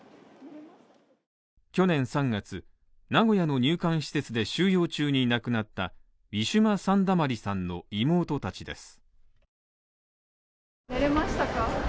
去年３月、名古屋の入管施設で収容中に亡くなったウィシュマ・サンダマリさんの妹たちです。